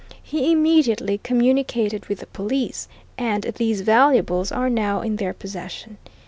He immediately communicated with the police, and these valuables are now in their possession.